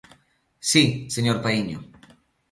Si, señor Paíño.